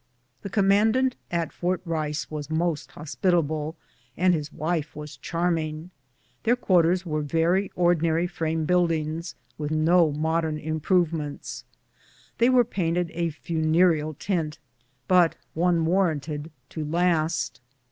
The commandant at Fort Rice was most hospitable, and his wife charming. The quarters were very ordi nary frame buildings, with no modern improvements. They were painted a funereal tint, but one warranted to last.